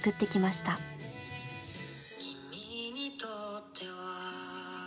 「君にとっては」